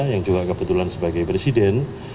yang juga kebetulan sebagai presiden